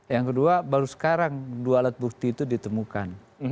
yang kedua baru sekarang dua alat bukti itu ditemukan